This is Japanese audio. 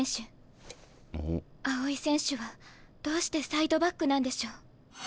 青井選手はどうしてサイドバックなんでしょう？